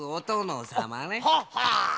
はっはあ。